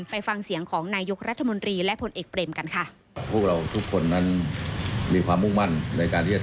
ไปฟังเสียงของนายกรัฐมนตรีและผลเอกเบรมกันค่ะ